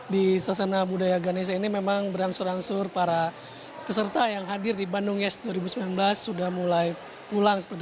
di sasana budaya ganesha ini memang berangsur angsur para peserta yang hadir di bandung yes dua ribu sembilan belas sudah mulai pulang